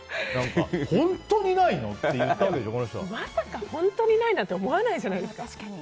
本当にないの？ってまさか本当にないなんて思わないじゃないですか。